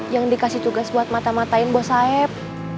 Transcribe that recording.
yang dikasih tugas buat mata matain bos saib